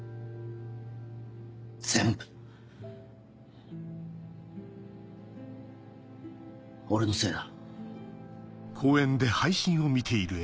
全部俺のせいだ。